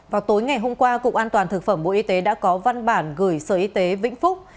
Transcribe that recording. vào tối ngày hôm qua cục an toàn thực phẩm bộ y tế đã có văn bản gửi sở y tế vĩnh phúc